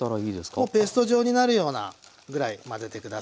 もうペースト状になるようなぐらい混ぜて下さい。